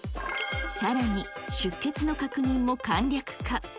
さらに出欠の確認も簡略化。